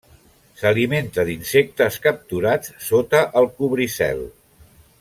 S'alimenta d'insectes capturats sota el cobricel.